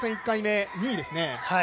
１回目、２位ですね。